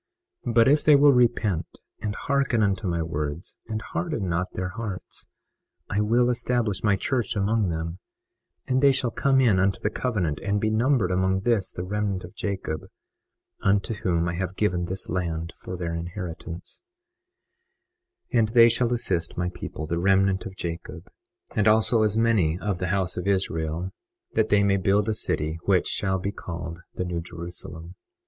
21:22 But if they will repent and hearken unto my words, and harden not their hearts, I will establish my church among them, and they shall come in unto the covenant and be numbered among this the remnant of Jacob, unto whom I have given this land for their inheritance; 21:23 And they shall assist my people, the remnant of Jacob, and also as many of the house of Israel as shall come, that they may build a city, which shall be called the New Jerusalem.